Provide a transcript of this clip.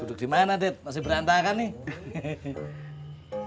duduk di mana dead masih berantakan nih